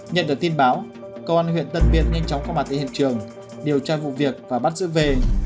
nhận được tin báo công an huyện tân biên nhanh chóng có mặt tại hiện trường điều tra vụ việc và bắt giữ về